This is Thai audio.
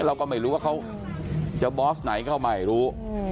เราก็ไม่รู้ว่าเขาจะบอสไหนก็ไม่รู้